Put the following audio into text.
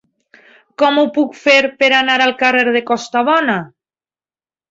Com ho puc fer per anar al carrer de Costabona?